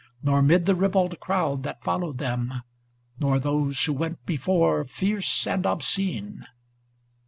Nor mid the ribald crowd that followed them, Nor those who went before fierce and ob scene.